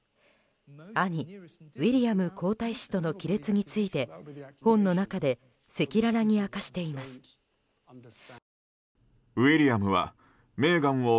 兄ウィリアム皇太子との亀裂について本の中で赤裸々に明かしています。